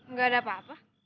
gak ada apa apa